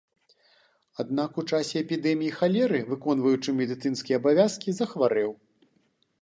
Аднак у часе эпідэміі халеры, выконваючы медыцынскія абавязкі, захварэў.